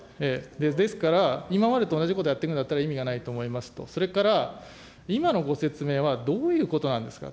ですから、今までと同じことやってるんだったら意味がないと思いますと、それから、今のご説明は、どういうことなんですか。